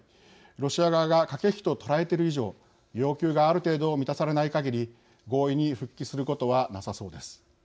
ロシア側が駆け引きと捉えている以上要求がある程度満たされないかぎり合意に復帰することはなさそうです。